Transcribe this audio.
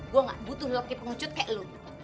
gue gak butuh laki laki pengecut kayak lo